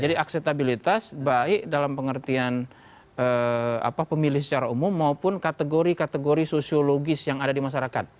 jadi akseptabilitas baik dalam pengertian pemilih secara umum maupun kategori kategori sosiologis yang ada di masyarakat